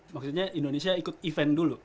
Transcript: maksudnya indonesia ikut event dulu